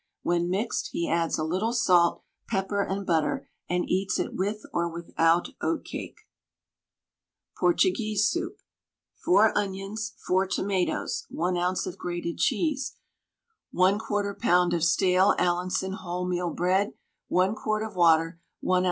When mixed he adds a little salt, pepper, and butter, and eats it with or without oatcake. PORTUGUESE SOUP. 4 onions, 4 tomatoes, 1 oz. of grated cheese, 1/4 lb. of stale Allinson wholemeal bread, 1 quart of water, 1 oz.